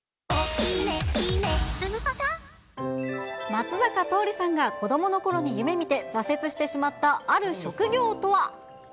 松坂桃李さんが子どものころに夢みて挫折してしまったある職業とは。